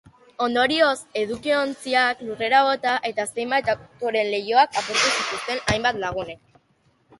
Ondorioz, edukiontziak lurrera bota eta zenbait autoren leihoak apurtu zituzten hainbat lagunek.